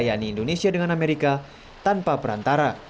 yaitu indonesia dengan amerika tanpa perantara